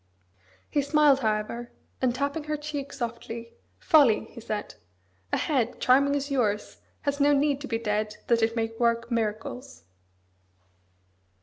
He smiled, however, and tapping her cheek softly, "Folly!" he said. "A head, charming as yours, has no need to be dead that it may work miracles!"